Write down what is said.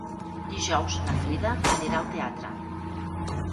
Dijous na Frida anirà al teatre.